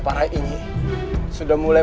para ini sudah mulai